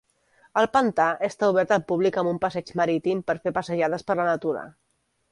El pantà està obert al públic amb un passeig marítim per fer passejades per la natura.